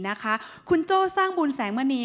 เพราะฉะนั้นเราทำกันเนี่ย